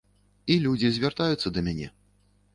І людзі звяртаюцца да мяне.